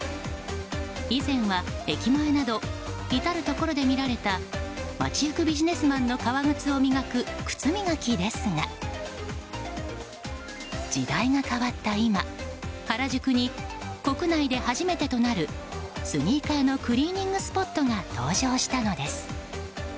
以前は、駅前など至るところで見られた街行くビジネスマンの革靴を磨く靴磨きですが時代が変わった今原宿に国内で初めてとなるスニーカーのクリーニングスポットが登場したのです。